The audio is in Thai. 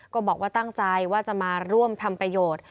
ก็บอกว่าตั้งใจว่าจะมาร่วมทำประโยชน์